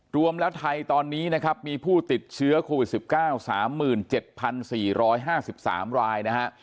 รวมแล้วไทยตอนนี้นะครับมีผู้ติดเชื้อโควิด๑๙๓๗๔๕๓รายนะฮะ